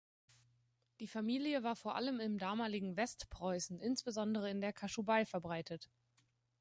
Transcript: Die Familie war vor allem im damaligen Westpreußen, insbesondere in der Kaschubei verbreitet.